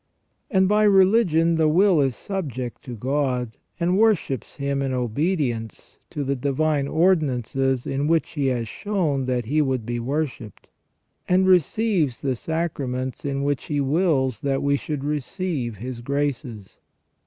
And by religion the will is subject to God, and worships Him in obedience to the divine ordinances in which He has shown that He would be worshipped, and receives the sacraments in which He wills that we should receive His graces.